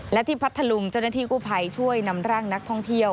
และที่พัทธลุงเจ้าหน้าที่กู้ภัยช่วยนำร่างนักท่องเที่ยว